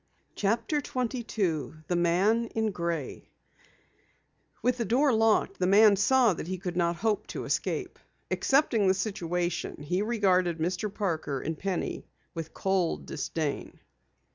CHAPTER 22 THE MAN IN GRAY With the door locked, the man saw that he could not hope to escape. Accepting the situation, he regarded Mr. Parker and Penny with cold disdain.